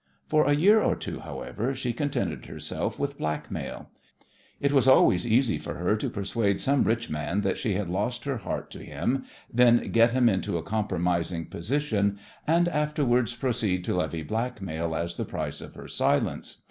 For a year or two, however, she contented herself with blackmail. It was always easy for her to persuade some rich man that she had lost her heart to him, then get him into a compromising position, and afterwards proceed to levy blackmail as the price of her silence.